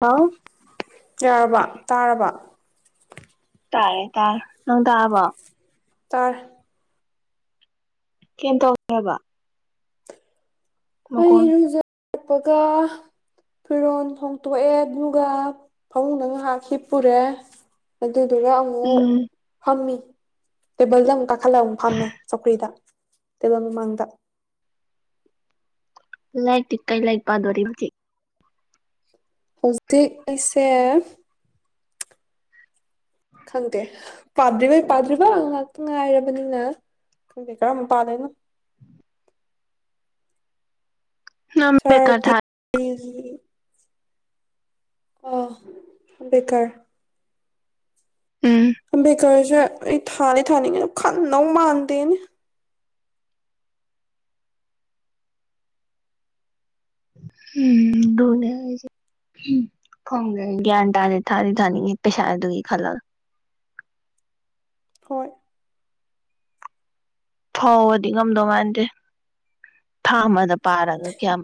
ꯍꯥꯎ ꯌꯥꯔꯕ ꯇꯥꯔꯕ ꯇꯥꯔꯦ ꯇꯥꯔꯦ ꯅꯪ ꯇꯥꯛꯑꯕꯣ ꯆꯔ ꯀꯩ ꯇꯧꯈ꯭ꯔꯕ ꯍꯣꯏꯔꯖ ꯆꯛꯄꯒ ꯐꯤꯔꯣꯟ ꯍꯣꯡꯇꯣꯛꯑꯦ ꯑꯗꯨꯒ ꯐꯃꯨꯡꯗ ꯉꯥꯏꯍꯥꯛ ꯍꯤꯞꯄꯨꯔꯦ ꯑꯗꯨꯗꯨꯒ ꯑꯃꯨꯛ ꯎꯝ ꯐꯪꯃꯤ ꯕꯣꯗ ꯀ ꯄꯥꯈꯜꯂ ꯑꯃꯨꯛ ꯐꯝꯃꯦ ꯆꯧꯈ꯭ꯔꯤꯗ ꯇꯕ ꯃꯃꯥꯡꯗ ꯂꯥꯏꯛ ꯇ ꯀ ꯂꯥꯏꯛ ꯄꯗ ꯋꯥꯔꯤꯗꯤ ꯍꯧꯖꯤꯛ ꯑꯩꯁꯦ ꯈꯪꯗꯦ ꯄꯥꯗ꯭ꯔꯤꯔꯤꯕꯩ ꯄꯥꯗ꯭ꯔꯤꯕ ꯉꯥꯛꯇ ꯉꯥꯏꯔꯕꯅꯤꯅ ꯈꯪꯗꯦ ꯀꯔꯝꯕ ꯄꯥꯜꯂꯤꯅꯣ ꯅꯪ ꯕꯦꯀꯔ ꯆꯇ ꯊꯥ ꯑ ꯕꯦꯀ ꯎꯝ ꯝꯕꯀꯥꯥꯁ ꯑꯩ ꯊꯥꯅꯤ ꯊꯥꯅꯤ ꯀ ꯈꯅ ꯃꯥꯥꯟꯗꯅꯦ ꯎꯝꯅꯦꯁꯦ ꯐꯣꯡꯗ ꯒ꯭ꯌꯥꯟ ꯇꯥꯗꯤ ꯊꯥꯗꯤ ꯊꯥꯅꯤꯡꯉ ꯄꯩꯁꯥ ꯑꯗꯨꯒꯤ ꯈꯜꯂꯒ ꯍꯣꯏ ꯐꯥꯎꯕꯗꯤ ꯉꯝꯗꯧ ꯃꯥꯟꯗꯦ ꯊꯥ ꯑꯃꯗ ꯄꯥꯔꯒ ꯀꯌꯥꯝ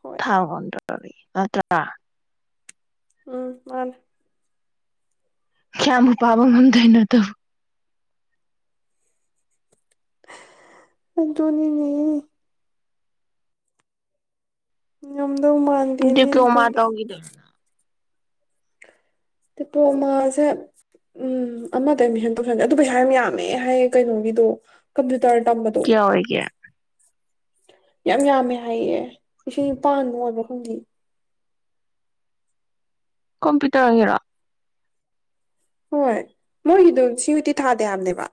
ꯍꯣꯏ ꯊꯥꯥꯎꯟꯇ ꯎꯝ ꯃꯥꯂ ꯀꯃꯨ ꯄꯥꯕ ꯃ ꯊꯅꯠꯇꯧ ꯣꯅꯤꯅꯤ ꯈꯝꯗꯧ ꯃꯥꯟꯗꯦꯅꯦ ꯗꯤꯄ꯭ꯂꯣꯃꯥ ꯑꯗꯨꯗꯤ ꯇꯧꯒꯤꯗꯣ ꯇꯦꯄꯣ ꯃꯥꯁꯦ ꯎꯝ ꯑꯃꯗ ꯑꯦꯗꯃꯤꯁꯟ ꯇꯧꯁꯟꯗꯦ ꯑꯗꯨ ꯄꯩꯁꯥ ꯍꯥꯏ ꯌꯥꯝ ꯌꯥꯝꯃꯦ ꯍꯥꯏꯌꯦ ꯀꯩꯅꯣꯒꯤꯗꯣ ꯄ ꯇꯇꯝꯕꯗꯣ ꯀꯌꯥꯑꯣꯏꯒꯦ ꯌꯥꯝ ꯌꯥꯝꯃꯦ ꯍꯥꯏꯌꯦ ꯏ ꯄꯥꯟ ꯅꯨꯡꯉꯕ ꯈꯪꯗ ꯀꯣꯝꯄ꯭ꯌꯨ ꯇꯧꯔꯒꯦꯔꯣ ꯍꯣꯏ ꯃꯣꯏꯒꯤꯗꯨ ꯁꯤꯌꯨꯇꯤ ꯊꯥꯗ ꯌꯥꯝꯕꯅꯦꯕ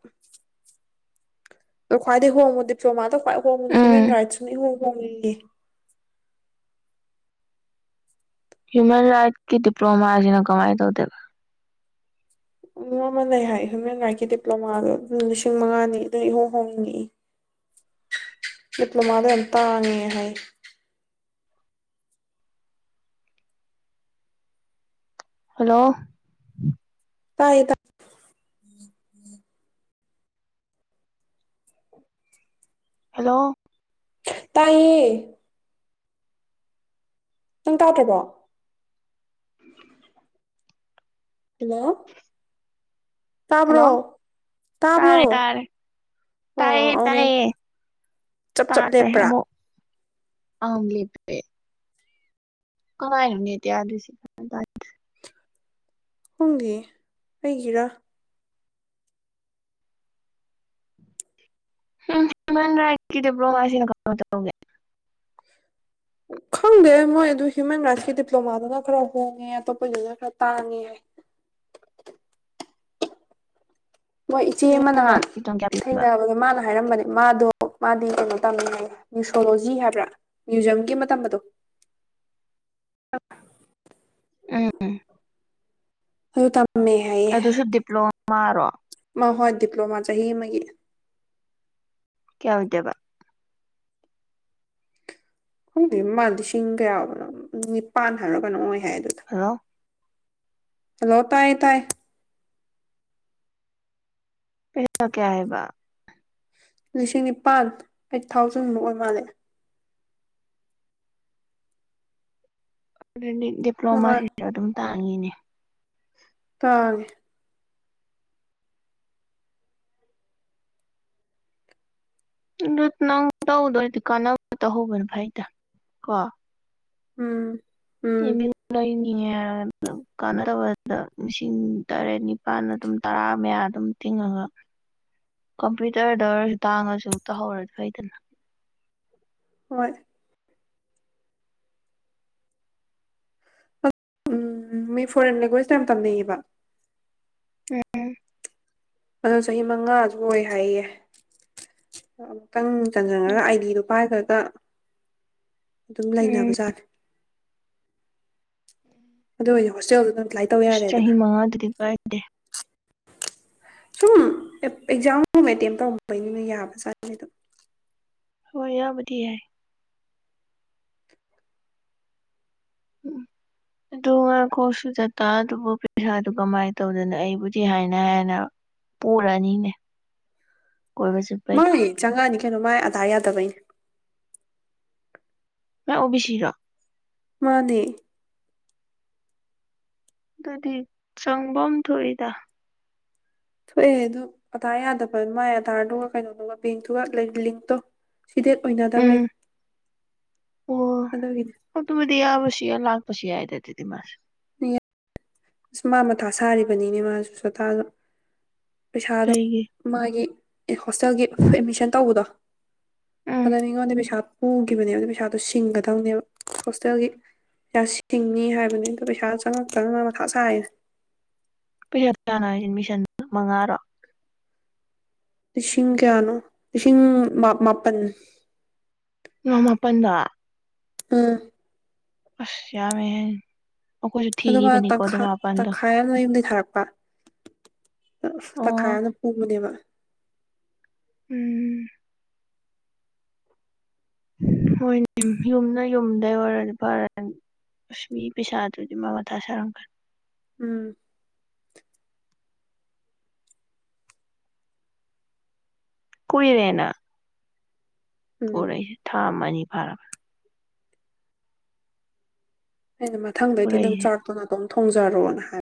ꯈꯋꯥꯗꯦ ꯍ ꯃꯦ ꯄꯤ ꯃꯥ ꯈ꯭ꯏ ꯍꯣꯡꯕꯗ ꯎꯝ ꯍ꯭ꯌꯃꯦꯟ ꯔꯥꯏꯠꯁꯨꯅ ꯏꯍꯨ ꯍꯦ ꯍ꯭ꯌꯨꯃꯦꯟ ꯔꯥꯏꯠꯀꯤ ꯗꯤꯄ꯭ꯂꯣꯃꯥꯁꯤꯅ ꯀꯃꯥꯏꯅ ꯇꯧꯗꯦꯕ ꯑꯗꯨꯝ ꯑꯃ ꯂꯩ ꯍꯥꯏ ꯍ꯭ꯌꯨꯃꯦꯟ ꯔꯥꯏꯠꯀꯤ ꯗꯤꯄ꯭ꯂꯣꯃꯥꯗꯣ ꯑꯗꯨꯝ ꯂꯤꯁꯤꯡ ꯃꯉꯥꯅꯤ ꯑꯗꯨ ꯏꯍꯣꯡ ꯍꯣꯡꯅꯤ ꯗꯤꯄ꯭ꯂꯣꯃꯥꯗꯣ ꯌꯥꯝ ꯇꯥꯡꯉꯦ ꯍꯥꯏ ꯍꯜꯂꯣ ꯇꯥꯏꯌꯦ ꯇ ꯍꯂꯣ ꯇꯥꯏꯌꯦ ꯅꯪ ꯇꯥꯗ꯭ꯔꯕꯣ ꯍꯜꯂꯣ ꯇꯥꯕ꯭ꯔꯣ ꯍꯜꯂꯣ ꯇꯥꯕ꯭ꯔꯣ ꯇꯥꯔꯦ ꯇꯥꯔꯦ ꯇꯥꯏꯌꯦ ꯑꯣ ꯑ ꯇꯥꯏꯌꯦ ꯆꯞ ꯆꯞ ꯂꯦꯞꯄ꯭ꯔꯥ ꯑꯂꯤ ꯄꯦ ꯀꯅꯥꯥꯏꯅꯤ ꯇꯌꯥꯗꯁꯤ ꯍꯨꯡꯒꯤ ꯑꯩꯒꯤꯔꯥ ꯎꯝꯃ ꯗꯤ꯭ꯂꯣꯃꯁꯤ ꯀ ꯇꯦ ꯈꯪꯗꯦ ꯃꯣꯏ ꯑꯗꯨ ꯍ꯭ꯌꯨꯃꯦꯟ ꯔꯥꯏꯠꯁꯀꯤ ꯗꯤꯄ꯭ꯂꯣꯃꯥꯗꯨꯅ ꯈꯔ ꯍꯣꯡꯉꯦ ꯑꯇꯣꯞꯄꯒꯤꯗꯨꯅ ꯈꯔ ꯇꯥꯡꯉꯦ ꯍꯥꯏ ꯃꯣꯏ ꯏꯆꯦ ꯑꯃ ꯍ꯭ꯌꯨꯃꯦꯟ ꯅꯍꯥꯟ ꯔꯥꯏꯠꯀꯤ ꯇꯣꯟ ꯀꯌꯥ ꯄꯤꯕ ꯊꯦꯡꯅꯕꯒ ꯃꯥꯅ ꯍꯥꯏꯔꯝꯕꯅꯦ ꯃꯥꯗꯣ ꯃꯥꯗꯤ ꯀꯩꯅꯣ ꯇꯥꯃꯤꯉꯥꯏ ꯅ꯭ꯌꯨꯁꯣꯂꯣꯖꯤ ꯍꯥꯏꯕ꯭ꯔꯥ ꯃ꯭ꯌꯨꯖꯌꯝꯒꯤ ꯃꯇꯝ ꯑꯗꯣ ꯎꯝ ꯍꯜꯣ ꯇ ꯑꯗꯣꯁꯨ ꯗꯤꯄ꯭ꯂꯣꯃꯥꯔꯣ ꯃꯥ ꯍꯣꯏ ꯗꯤꯄ꯭ꯂꯣꯃꯥ ꯆ ꯆꯍꯤ ꯃꯒꯤ ꯀꯌꯥꯎꯗꯕ ꯈꯣꯡꯒꯤ ꯃꯃꯜ ꯂꯤꯁꯤꯡ ꯀꯌꯥꯕꯅꯣ ꯅꯤꯄꯥꯟ ꯍꯥꯏꯔꯣ ꯀꯩꯅꯣ ꯑꯣꯏ ꯍꯥꯏꯅ ꯍꯦꯜꯂꯣ ꯍꯂꯣ ꯇꯥꯏ ꯇꯥꯏ ꯐꯦꯗ ꯀꯌꯥ ꯍꯥꯏꯕ ꯂꯤꯁꯤꯡ ꯅꯤꯄꯥꯜ ꯑꯩꯠ ꯊꯥꯎꯖꯟꯃꯨꯛ ꯑꯣꯏ ꯃꯥꯜꯂꯦ ꯑꯗꯨ ꯗꯤꯄ꯭ꯂꯣꯃ ꯃꯥ ꯑꯗꯨꯝ ꯆꯪꯉꯤꯅꯦ ꯇꯦ ꯑꯗꯨ ꯅꯪ ꯇꯧꯧꯗꯔꯗꯤ ꯀꯥꯟꯅꯕ ꯇꯧꯍꯧꯕꯅꯦ ꯐꯩꯗ ꯀꯣ ꯎꯝ ꯎꯝ ꯏꯃꯤ ꯇꯤꯡꯉꯦ ꯍꯥꯏꯔ ꯀꯥꯟꯅꯗꯕꯗ ꯂꯤꯁꯤꯡ ꯇꯔꯦꯠ ꯅꯤꯄꯥꯜ ꯑꯗꯨꯝ ꯇꯔꯥ ꯃꯌꯥ ꯑꯗꯨꯝ ꯇꯤꯡꯉꯒ ꯀꯝꯄ꯭ꯌꯨꯇꯔꯗ ꯑꯣꯏꯔꯁꯨ ꯇꯥꯡꯉꯁꯨ ꯇꯧꯍꯧꯔꯗꯤ ꯐꯩꯗꯅ ꯍꯣꯏ ꯎꯝ ꯃꯤ ꯐꯣꯔꯦꯟ ꯂꯦꯡꯒ꯭ꯋꯦꯖ ꯇ ꯌꯥꯝ ꯇꯝꯅꯌꯦꯕ ꯎꯝ ꯑꯗꯣ ꯆꯍꯤ ꯃꯉꯥꯁꯨ ꯑꯣꯏ ꯍꯥꯏꯌꯦꯦ ꯈꯤꯇꯪ ꯎꯝ ꯆꯪꯖꯟꯉꯔꯒ ꯑꯥꯏꯒꯤꯗꯨꯨꯄꯥꯥꯏ ꯈ ꯀ ꯑꯗꯨꯝ ꯎꯝ ꯂꯩꯅꯕꯖꯥꯠꯦ ꯑꯗꯨ ꯑꯣꯏꯗꯤ ꯍꯣꯁꯇꯦꯜꯗꯨꯗ ꯑꯦꯄ꯭ꯂꯥꯏ ꯇꯧ ꯆ ꯌꯥꯔꯦꯗꯅ ꯆꯍꯤ ꯃꯥ ꯑꯗꯨꯗꯤ ꯔꯦ ꯁꯨꯝ ꯑꯦꯛꯖꯥꯝꯒꯨꯝ ꯑꯦꯇꯦꯝ ꯇꯧꯔꯝꯝꯕꯅꯤꯅ ꯌꯥꯕ ꯆꯥꯠꯗ ꯍꯣꯏ ꯌꯥꯌꯥꯝꯕꯗꯤ ꯌꯥꯏꯦ ꯎꯝ ꯑꯗꯨ ꯉꯥꯈꯣꯛ ꯁꯨ ꯆꯇꯥ ꯑꯗꯨꯕꯨ ꯄꯩꯁꯥꯗꯨ ꯀꯃꯥꯏꯅ ꯇꯧꯗꯅ ꯑꯩꯕꯨꯗꯤ ꯍꯥꯏꯅ ꯍꯥꯏꯅ ꯄꯨꯔꯅꯤꯅꯦ ꯀꯣꯏꯕ ꯃꯥ ꯆꯠꯄꯩꯗꯣ ꯆꯪꯒꯥꯅꯤ ꯀꯩꯅꯣ ꯃꯥꯏ ꯑꯗꯥꯥ ꯌꯥꯗꯕꯩꯅꯦ ꯃ ꯑꯣꯕꯤꯤꯁꯔ ꯃꯥꯅꯦ ꯑꯗꯨꯗꯤ ꯆꯪꯐꯝ ꯊꯣꯛꯏꯗ ꯊꯣꯛꯑꯦ ꯑꯗꯨ ꯑꯗꯥꯥꯔ ꯌꯥꯗꯕ ꯃꯥꯏ ꯑꯗꯥꯥꯔꯗꯨꯒ ꯀꯩꯅꯣꯗꯨꯒ ꯕꯦꯡꯇꯨꯒ ꯂꯤꯡꯇꯣ ꯁꯤꯗꯦꯠ ꯎꯝ ꯑꯣꯏꯅꯗꯕꯩꯅꯤ ꯑꯗꯨꯒꯤꯅꯦ ꯇꯤꯌ ꯂꯒꯄ ꯑꯏꯗꯦ ꯇꯤ ꯇꯤꯃꯔ ꯑꯁ ꯃꯥ ꯃꯊꯥ ꯁꯥꯔꯤꯕꯅꯤꯅꯦ ꯃꯥꯁꯨ ꯁꯇꯥꯗ ꯄꯩꯁꯥꯗꯣ ꯀꯩꯒꯤ ꯃꯥꯒꯤ ꯑꯦ ꯍꯣꯁꯇꯦꯜꯒꯤ ꯑꯦꯠꯃꯤꯁꯟ ꯇꯧꯕꯗꯣ ꯎꯝ ꯄꯗꯅꯤ ꯀꯗꯤ ꯄꯩꯁꯥ ꯎꯈꯤꯕꯅꯦ ꯑꯗ ꯄꯩꯁꯥꯗꯣ ꯁꯤꯡꯒꯗꯕꯅꯦꯕ ꯍꯣꯁꯇꯦꯜꯒꯤ ꯄꯩꯁꯥ ꯁꯤꯡꯉ ꯍꯥꯏꯕꯅꯤ ꯑꯗꯣ ꯄꯩꯁꯥ ꯆꯪꯉꯛꯇ ꯑꯁꯥꯏ ꯄꯩꯁꯥꯥꯅ ꯑꯦꯗꯃꯤꯁꯟ ꯃꯉꯥꯔꯣ ꯂꯤꯁꯤꯡ ꯀꯌꯥꯅꯣ ꯂꯤꯁꯤꯡ ꯃꯥꯄꯜ ꯑ ꯃꯄꯟꯗ ꯑꯝ ꯑꯁ ꯌꯥ ꯍꯥꯏ ꯑꯗꯨꯒ ꯇꯪꯥꯏ ꯇꯪꯈꯥꯏ ꯌꯥꯝꯅ ꯌꯨꯝꯗꯩ ꯊꯥꯔꯛꯄ ꯇꯪꯈꯥꯏ ꯑꯣ ꯌꯥꯝꯅ ꯄꯨꯕꯅꯦꯕ ꯎꯝ ꯍꯣꯏ ꯌꯨꯝꯅ ꯌꯨꯝꯗꯩ ꯑꯣꯏꯔꯗꯤ ꯐꯔ ꯃꯤ ꯄꯩꯁꯥꯗꯨꯗꯤ ꯃꯥ ꯃꯊꯥ ꯁꯥꯔꯝꯒꯅꯤ ꯎꯝ ꯀꯨꯏꯔꯦꯅ ꯎꯝ ꯄꯨꯔꯛꯁꯦ ꯊꯥ ꯑꯃꯅꯤꯅꯤ ꯑꯥ ꯑꯩꯅ ꯃꯊꯪꯗꯩꯗꯤ ꯅꯪ ꯄꯨꯔꯛꯏꯁꯦ ꯆꯥꯛꯔꯇꯨꯅ ꯇꯧ ꯊꯣꯡꯖꯥꯔꯣꯅ ꯍꯥꯏ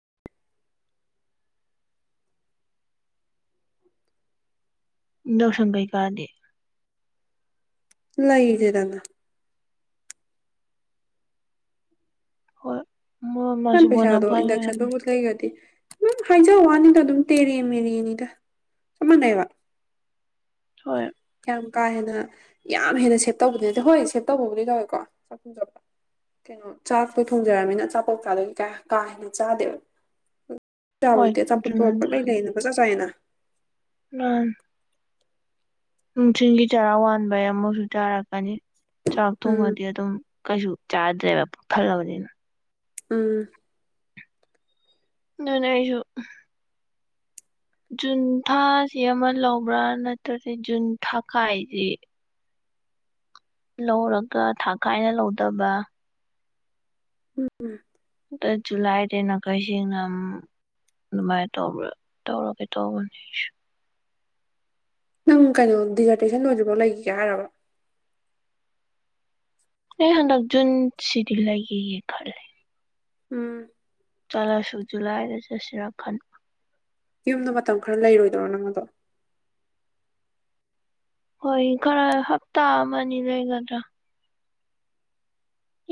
ꯌꯥꯎꯁꯟ ꯀꯩꯀꯥꯗꯦ ꯂꯩꯗꯦꯗꯅ ꯍꯣꯏ ꯀ ꯃꯥꯁꯨ ꯄꯩꯁꯥꯗꯣ ꯕꯣꯅꯥꯐꯥꯏ ꯑꯣꯏꯔꯝꯅꯤ ꯏꯟꯗꯁꯁꯕꯨꯁ ꯂꯩꯒꯗꯤ ꯝ ꯍꯥꯏꯖ ꯋꯥꯅꯤꯗ ꯑꯗꯨꯝ ꯇꯦꯔꯦ ꯃꯦꯔꯦꯅꯤꯗ ꯆꯞ ꯃꯥꯟꯅꯩꯕ ꯍꯣꯏ ꯌꯥꯝ ꯀꯥ ꯍꯦꯟꯅ ꯌꯥꯝ ꯍꯦꯟꯅ ꯁꯦꯞ ꯇꯧꯕꯅꯦꯠꯇꯦ ꯍꯣꯏ ꯁꯦꯞ ꯇꯧꯕꯕꯨꯗꯤ ꯇꯧꯋꯦꯀꯣ ꯆꯥꯛ ꯊꯣꯡꯖꯕ ꯀꯩꯅꯣ ꯆꯥꯛ ꯄꯣꯏ ꯊꯣꯡꯖꯔꯕꯅꯤꯅ ꯆꯆꯥꯄꯣꯛ ꯆꯥꯗ ꯀꯥ ꯍꯦꯟꯅ ꯆꯥꯗꯦꯕ ꯍꯣꯏ ꯆꯥꯗꯗꯤ ꯆ ꯄꯨꯊꯣꯛꯑꯄ ꯑꯗꯨꯅꯅꯤ ꯂꯩ ꯂꯩꯅ ꯀꯖ ꯆꯥꯏꯅ ꯑ ꯅꯨꯡꯊꯤꯟꯜꯒꯤ ꯆꯔꯥ ꯋꯥꯕꯩ ꯑꯃꯁꯨꯛꯨ ꯆꯥꯔꯛꯀꯅꯤ ꯆꯥꯛ ꯎꯝ ꯊꯣꯡꯉꯗꯤ ꯑꯗꯨꯝ ꯀꯩꯁꯨ ꯆꯥꯗ꯭ꯔꯦꯕ ꯈꯜꯂꯕꯅꯤꯅ ꯑꯝ ꯅꯅꯦ ꯍꯥꯏꯁꯨꯁꯨ ꯖꯨꯟ ꯊꯥꯁꯤ ꯑꯃ ꯂꯧꯕ꯭ꯔꯥ ꯅꯠꯇ꯭ꯔꯗꯤ ꯖꯨꯟ ꯊꯥ ꯀꯥꯏꯁꯤ ꯂꯧꯔꯒ ꯊꯥ ꯀꯥꯏꯅ ꯂꯧꯗꯕ ꯎꯝ ꯁꯨꯂꯥꯏꯗꯦ ꯅꯥꯈꯩꯁꯤꯡꯅ ꯑꯗꯨꯃꯥꯏꯅ ꯇꯧꯕ ꯇꯧꯔꯒꯦ ꯇꯧꯕꯅꯦ ꯅꯪ ꯀꯩꯅꯣ ꯗꯤꯖꯔꯇꯦꯁꯟ ꯑꯣꯏꯗ꯭ꯔꯤꯐꯥꯎ ꯂꯩꯈꯤꯒꯦ ꯍꯥꯏꯔꯕ ꯅ ꯍꯟꯅꯛ ꯨꯟ ꯁꯤꯗꯤꯤ ꯂꯩ ꯌꯦꯦ ꯌꯦ ꯈꯔ ꯂꯩ ꯎꯝ ꯆꯠꯂꯁꯨ ꯖꯨꯂꯥꯏꯗ ꯆꯠꯁꯤꯔ ꯈꯟ ꯌꯨꯝꯗ ꯃꯇꯝ ꯈꯔ ꯂꯩꯔꯣꯏꯗ꯭ꯔꯣ ꯅꯪ ꯑꯗꯣ ꯍꯣꯏ ꯈꯔ ꯍꯞꯇꯥ ꯑꯃ ꯂꯩꯒꯗ꯭ꯔꯥ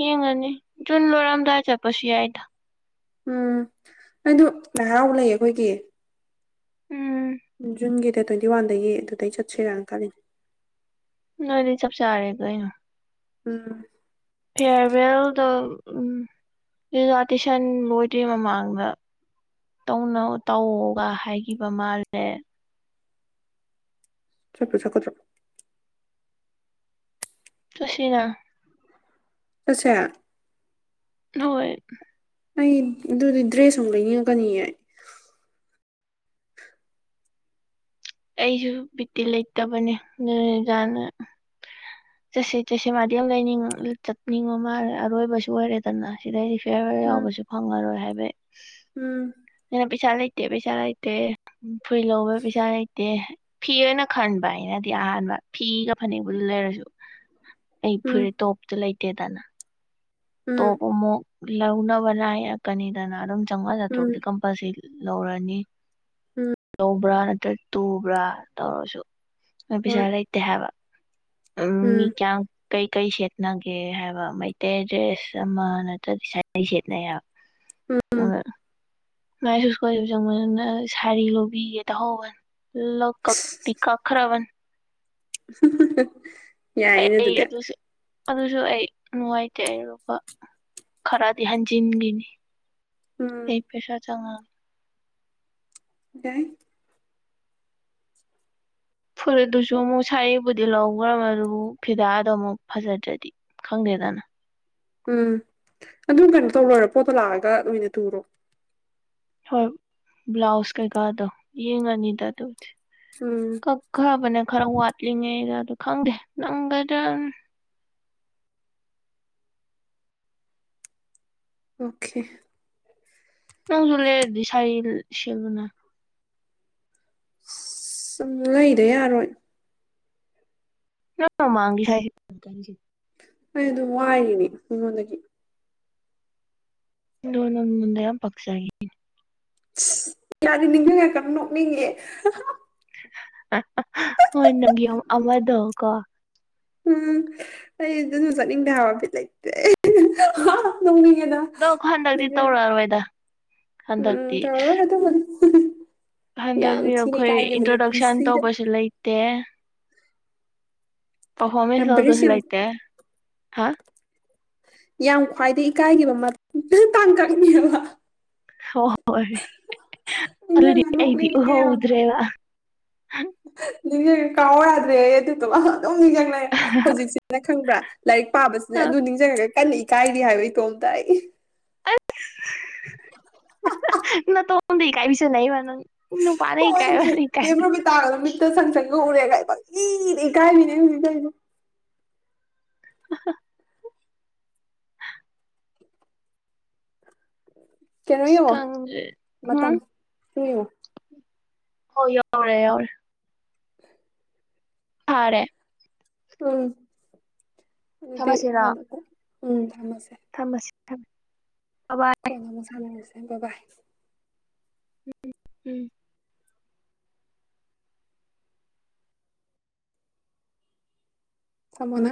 ꯌꯦꯡꯉꯅꯤ ꯖꯨꯟ ꯂꯣꯏꯔꯝꯗꯥꯏ ꯆꯠꯄꯁꯨ ꯌꯥꯏꯗ ꯎꯝ ꯑꯩꯗ ꯉꯥꯏꯍꯥꯎ ꯂꯩꯌꯦ ꯑꯩꯈꯣꯏꯒꯤ ꯎꯝ ꯖꯨꯟꯒꯤ ꯗꯦꯠ ꯇ꯭ꯋꯦꯟꯇꯤ ꯋꯥꯟꯗꯒꯤ ꯑꯗꯨꯗꯩ ꯆꯠꯁꯤꯔꯥꯅ ꯈꯜꯂꯤꯅꯦ ꯅꯣꯏ ꯅ ꯆꯕ ꯆꯥꯔꯦ ꯀ ꯎꯝ ꯐꯤꯌꯥꯔꯋꯦꯜꯗ ꯎ ꯖꯥ ꯇꯁꯟ ꯂꯣꯏꯗ꯭ꯔꯤ ꯃꯃꯥꯡꯗ ꯇ ꯇꯧꯒ ꯍꯥꯏꯈꯤꯕ ꯃꯥꯜꯂꯦ ꯆꯠꯣ ꯆꯀꯣ ꯆ ꯇꯨꯁꯤꯅ ꯆꯁ ꯍꯣꯏ ꯑꯩ ꯑꯗꯨꯗꯤ ꯗ꯭ꯔꯦꯁ ꯑꯨꯛ ꯂꯩꯅꯤꯡꯉꯛꯀꯅꯤꯌꯦ ꯑꯩꯁꯨ ꯕꯤꯇꯤ ꯂꯩꯇꯕꯅꯦ ꯅꯖꯥꯅ ꯆꯠꯁꯤ ꯆꯠꯁꯤ ꯃꯥꯗꯤ ꯌꯥꯝ ꯂꯩ ꯆꯠꯅꯤꯡꯕ ꯃꯥꯜꯂꯦ ꯑꯔꯣꯏꯕꯁꯨ ꯑꯣꯏꯔꯦꯗꯅ ꯁꯤꯗꯩ ꯐꯤꯌꯔ ꯎꯝ ꯌꯥꯎꯕꯁꯨ ꯐꯪꯉꯔꯣꯏ ꯍꯥꯏꯕ ꯎꯝ ꯄꯩꯁꯥ ꯂꯩꯇꯦ ꯄꯩꯁꯥ ꯂꯩꯇꯦ ꯎ ꯐꯨꯏ ꯂꯧꯕ ꯄꯩꯁꯥ ꯂꯩꯇꯦ ꯗꯦ ꯐꯤ ꯑꯣꯏꯅ ꯈꯟꯕ ꯍꯥꯏꯩꯅꯗꯤ ꯑꯍꯥꯟꯕ ꯐꯤꯒ ꯐꯅꯦꯛꯕꯨꯗꯨ ꯂꯩꯔꯁꯨ ꯑꯩ ꯎꯝ ꯐꯨꯔꯤꯦ ꯇꯣꯞꯇ ꯂꯩ ꯀꯦꯗꯅ ꯎꯝ ꯇꯣꯄꯃꯣ ꯂꯒꯅꯕꯔ ꯀꯅꯤꯗꯅꯔꯝ ꯆꯪꯉ ꯎꯝ ꯇ꯭ꯔꯨꯛꯗꯤ ꯀꯝꯄꯜꯁꯔꯤ ꯂꯧꯔꯅꯤ ꯎꯝ ꯂꯧꯕ꯭ꯔꯥ ꯅꯠꯇ꯭ꯔꯒ ꯇꯨꯕ꯭ꯔꯥ ꯇꯧꯔꯁꯨ ꯅꯣꯏ ꯍꯣꯏ ꯄꯩꯁꯥ ꯂꯩꯇꯦ ꯍꯥꯏꯕ ꯎꯝ ꯀ ꯀꯩꯀꯩ ꯁꯦꯠꯅꯒꯦ ꯍꯥꯏꯕ ꯃꯩꯇꯩ ꯗ꯭ꯔꯦꯁ ꯑꯃ ꯅꯠꯇ꯭ꯔꯗꯤ ꯁꯅꯩ ꯁꯦꯠꯅꯩ ꯍꯥꯏꯕ ꯎꯝ ꯑ ꯃꯥꯏ ꯁꯁ ꯀꯣꯏꯕ ꯆꯪꯕꯅꯤꯅ ꯁꯥꯔꯤ ꯂꯧꯕꯤꯒꯦ ꯇꯥꯍꯧꯕꯅꯤ ꯀꯛꯇꯤ ꯀꯛꯈ꯭ꯔꯕꯅꯤ ꯌꯥꯏꯩꯅ ꯑꯩ ꯑꯗꯨꯗ ꯑꯗꯨꯁꯨ ꯑꯗꯨꯁꯨ ꯑꯩ ꯅꯨꯡꯉꯥꯏꯇꯦ ꯑꯔꯨꯕ ꯈꯔꯗꯤ ꯍꯟꯖꯤꯟꯈꯤꯅꯤ ꯎꯝ ꯑꯩ ꯄꯦꯁꯥ ꯆꯉ ꯅꯤ ꯐꯨꯔꯤꯠꯇꯨꯁꯨ ꯑꯃꯨꯛ ꯁꯕꯨꯗꯤ ꯂꯧꯈ꯭ꯔꯗꯨꯕꯨ ꯐꯤꯗꯥꯗꯣ ꯑꯃꯨꯛ ꯐꯖꯗ꯭ꯔꯗꯤ ꯈꯪꯗꯦꯗꯅ ꯎꯝ ꯑꯗꯨꯝ ꯀꯩꯅꯣ ꯇꯧꯔꯣꯏꯔ ꯄꯣꯠꯇꯣ ꯂꯥꯛꯑꯒ ꯂꯣꯏꯅ ꯇꯨꯔꯣ ꯍꯣꯏ ꯕ꯭ꯂꯥꯎꯁ ꯀꯩꯀꯥꯗꯣ ꯌꯦꯡꯉꯅꯤꯗ ꯑꯗꯨꯗꯤ ꯎꯝ ꯀꯛ ꯈꯥ ꯃꯅꯦ ꯈꯔ ꯋꯥꯠꯂꯤꯉꯦ ꯌꯥꯗ ꯈꯪꯗꯦ ꯅꯪꯒꯗ ꯑꯣꯀꯦ ꯅꯪꯁꯤꯂ ꯁꯥꯏ ꯁꯕꯅ ꯁꯪ ꯂꯩꯗ ꯌꯥꯔꯣꯏ ꯑ ꯃꯥꯡ ꯍꯥꯏ ꯑꯩ ꯑꯗꯨꯝ ꯋꯥꯏꯔꯤꯅꯦ ꯑꯩꯉꯣꯟꯗꯒꯤ ꯗꯅꯣ ꯃꯟꯗ ꯌꯥꯝ ꯄꯛꯆꯥꯏꯅꯤ ꯌꯥꯔꯤ ꯅꯤꯡꯊꯉ ꯀ ꯅꯣꯛꯅꯤꯡꯉꯦ ꯍꯣꯏ ꯅꯪꯒꯤ ꯑꯃꯗꯣ ꯀꯣ ꯎꯝ ꯑꯩ ꯑꯗꯨꯁꯨ ꯆꯠꯅꯤꯡꯗ ꯍꯥꯏꯕꯐ ꯂꯩꯇ꯭ꯔꯦ ꯑꯗꯣ ꯍꯟꯗꯛꯇꯤ ꯇꯧꯔꯛꯑꯔꯣꯏꯗ ꯎꯝ ꯍꯟꯗꯛꯇꯤ ꯇꯧꯔꯔꯣꯏ [inaudible] ꯌꯥꯝ ꯍꯟꯗꯕꯤꯌꯨ ꯊꯤꯅ ꯑꯩꯈꯣꯏ ꯏꯀꯥꯏꯒꯤꯕꯅꯦ ꯏꯟꯇ꯭ꯔꯗꯛꯁꯟ ꯄꯨꯟꯁꯤꯗ ꯇꯧꯕꯁꯨ ꯂꯩꯇꯦ ꯄꯔꯐꯃꯦꯟꯁ ꯑꯦꯝꯕꯔꯦꯁ ꯆꯥꯎꯗꯣꯁ ꯌꯥꯝ ꯂꯥꯏꯇꯦ ꯍꯥꯥ ꯌꯥꯝ ꯈ꯭ꯋꯥꯏꯗꯒꯤ ꯏꯀꯥꯏꯈꯤꯕ ꯇꯥꯡꯀꯛꯅꯤꯕ ꯍꯣꯏ ꯍꯣꯏ ꯑꯗꯨꯗꯤ ꯅꯤꯡꯁꯤꯡꯉ ꯑꯩꯗꯤ ꯎꯍꯧꯗ꯭ꯔꯦꯕ ꯍ ꯅꯤꯡꯦ ꯀꯥꯎꯜꯗ꯭ꯔꯦ ꯑꯦꯗ ꯇꯂ ꯝꯅꯤꯒꯪꯅ ꯍꯧꯖꯤꯛꯁꯤꯅ ꯈꯪꯕ꯭ꯔꯥ ꯂꯥꯏꯔꯤꯛ ꯄꯥꯕꯁꯤꯅ ꯑꯗꯨ ꯅꯤꯡꯁꯤꯡꯉꯒ ꯀꯅꯤ ꯏ ꯀꯥꯏꯅꯤ ꯍꯥꯏꯕ ꯏꯇꯣꯝꯇ ꯑꯩ ꯑ ꯅ ꯇ ꯍꯨ ꯅ ꯀꯥꯏꯁ ꯅ ꯃꯥꯅ ꯍꯣꯏ ꯃꯤ ꯗꯦꯕ꯭ꯔꯣꯃꯤ ꯇꯥꯒꯂꯣ ꯃꯤꯠꯇ ꯁꯪꯇ ꯌ ꯎꯔꯦ ꯀꯥꯏꯕꯗꯤ ꯀꯥꯏ ꯃꯤꯅꯦ ꯍꯧꯅꯤ ꯀꯥꯏꯗ [inaudible] ꯀꯩꯅꯣ ꯌꯦꯡꯉꯣ ꯏꯁꯀꯥꯡꯖꯦ ꯃꯇꯝ ꯎꯝ [inaudible] ꯍꯣ ꯌꯥꯎꯔꯦ ꯌꯥꯎꯔꯦ ꯐꯔꯦ ꯎꯝ ꯑꯗꯨꯗꯦ ꯊꯝꯃꯁꯤꯔꯣ ꯃꯥꯗꯣ ꯎꯝ ꯊꯝꯃꯃꯁꯦ ꯎꯝ ꯀꯣꯗ ꯃꯁꯂꯦ ꯍ ꯕꯥ ꯎꯝ ꯎꯝ ꯁꯃꯣꯅꯥ